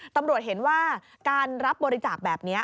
ตำรวจเห็นว่าการรับบริจาคแบบนี้